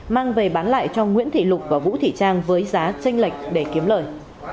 mang về bán lại cho nguyễn thị lục và vũ thị trang với giá tranh lệch để kiếm lời